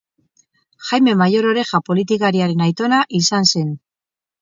Jaime Mayor Oreja politikariaren aitona izan zen.